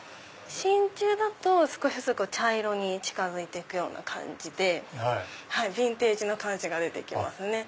真ちゅうだと少しずつ茶色に近づく感じでビンテージの感じが出て来ますね。